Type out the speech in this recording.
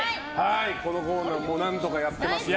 このコーナーも何度かやってますね。